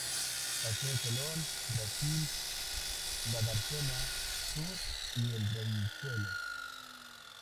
Paseo Colón, Brasil, la Dársena Sur y el Riachuelo.